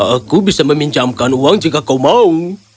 aku bisa meminjamkan uang jika kau mau